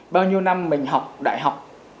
bao nhiêu năm mình học đại học